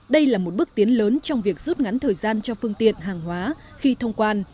đây là một bước tiến lớn trong việc rút ngắn thời gian cho phương tiện hàng hóa khi thông quan